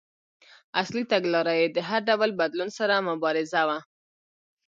اصلي تګلاره یې د هر ډول بدلون سره مبارزه وه.